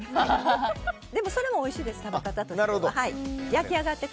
でも、それもおいしいです食べ方として。